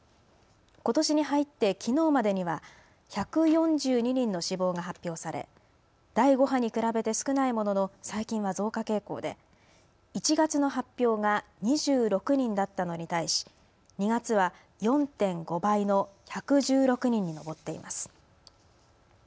ことしに入ってきのうまでには１４２人の死亡が発表され第５波に比べて少ないものの最近は増加傾向で１月の発表が２６人だったのに対し２月は４．５倍の１１６人に上っています。